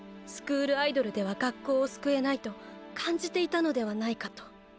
スクールアイドルでは学校を救えないと感じていたのではないかと。